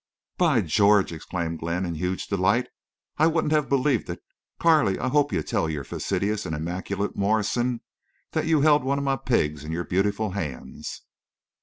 "By George!" exclaimed Glenn, in huge delight. "I wouldn't have believed it. Carley, I hope you tell your fastidious and immaculate Morrison that you held one of my pigs in your beautiful hands."